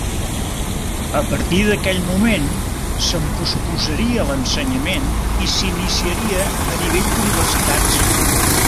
A partir d'aquell moment, se'n posposaria l'ensenyament i s'iniciaria a nivell d'universitats.